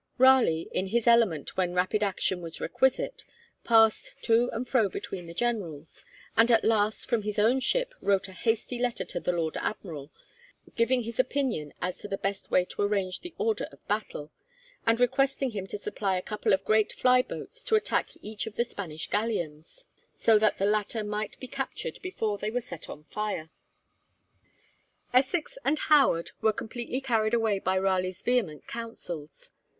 Raleigh, in his element when rapid action was requisite, passed to and fro between the generals, and at last from his own ship wrote a hasty letter to the Lord Admiral, giving his opinion as to the best way to arrange the order of battle, and requesting him to supply a couple of great fly boats to attack each of the Spanish galleons, so that the latter might be captured before they were set on fire. Essex and Howard were completely carried away by Raleigh's vehement counsels.